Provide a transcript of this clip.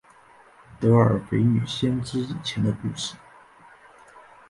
德尔斐女先知以前的故事。